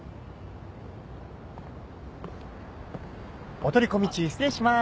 ・お取り込み中失礼しまーす。